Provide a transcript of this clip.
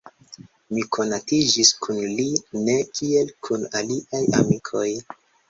Mi konatiĝis kun li ne kiel kun aliaj amikoj.